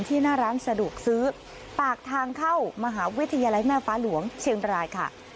หน้าร้านสะดวกซื้อปากทางเข้ามหาวิทยาลัยแม่ฟ้าหลวงเชียงรายค่ะ